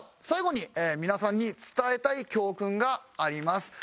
最後に皆さんに伝えたい教訓があります。